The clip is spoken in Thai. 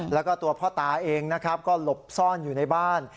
แล้วก็ตัวพ่อตาเองนะครับก็หลบซ่อนอยู่ในบ้าน